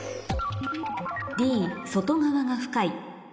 「Ｄ外側が深い」